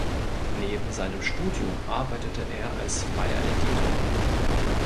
Neben seinem Studium arbeitete er als freier Editor.